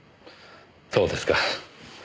そうですか。